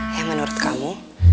ya menurut kamu